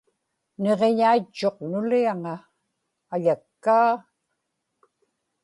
niġiñaitchuq nuliaŋa; aḷakkaa